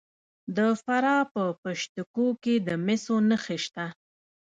د فراه په پشت کوه کې د مسو نښې شته.